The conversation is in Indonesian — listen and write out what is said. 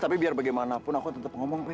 tapi biar bagaimanapun aku tetep ngomong peh